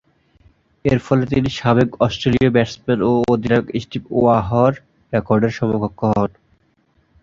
এরফলে তিনি সাবেক অস্ট্রেলীয় ব্যাটসম্যান ও অধিনায়ক স্টিভ ওয়াহ’র রেকর্ডের সমকক্ষ হন।